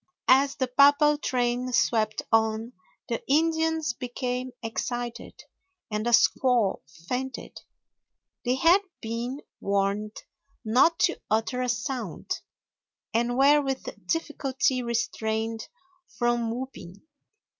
As the papal train swept on the Indians became excited, and a squaw fainted. They had been warned not to utter a sound, and were with difficulty restrained from whooping.